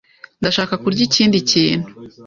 Ndashaka kurya ikindi kintu.